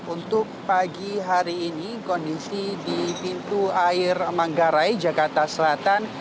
untuk pagi hari ini kondisi di pintu air manggarai jakarta selatan